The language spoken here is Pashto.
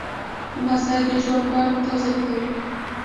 لمسی د ژوند بڼ تازه کوي.